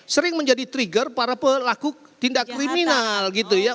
sering menjadi trigger para pelaku tindak kriminal gitu ya